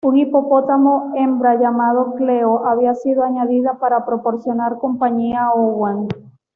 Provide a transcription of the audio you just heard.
Un hipopótamo hembra llamada Cleo había sido añadida para proporcionar compañía a Owen.